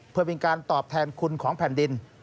เพื่อเป็นการตอบแทนคุณของแผ่นดิน